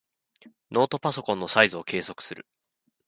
ノートパソコンのサイズを計測する。